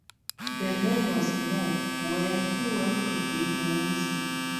The man was mad. Well, he went a bit woozy.